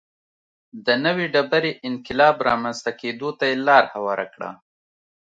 د نوې ډبرې انقلاب رامنځته کېدو ته یې لار هواره کړه.